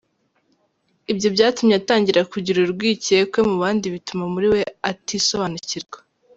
Ibyo byatumye atangira kugira urwikekwe mu bandi bituma muri we atisobanukirwa.